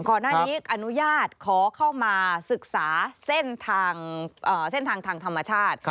ก่อนหน้านี้อนุญาตขอเข้ามาศึกษาเส้นทางธรรมชาติ